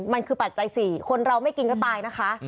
มันคือปัจจัย๔คนเราไม่กินก็ตายนะคะ